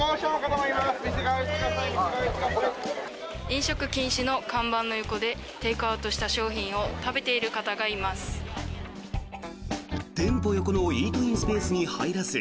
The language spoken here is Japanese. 飲食禁止の看板の横でテイクアウトした商品を食べている方がいます。